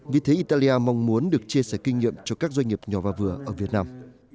vì thế italia mong muốn được chia sẻ kinh nghiệm cho các doanh nghiệp nhỏ và vừa ở việt nam